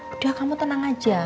udah kamu tenang aja